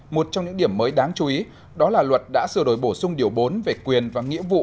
một trong những điểm mới đáng chú ý đó là luật đã sửa đổi bổ sung điều bốn về quyền và nghĩa vụ